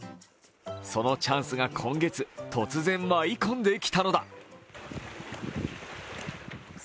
そのチャンスが今月突然舞い込んできたのだ。